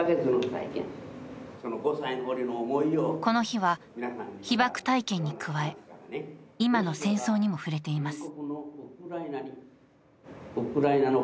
この日は、被ばく体験に加え、今の戦争にも触れています。